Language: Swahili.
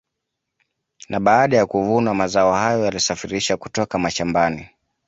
Na baada ya kuvunwa mazao hayo yalisafirishwa kutoka mashamabani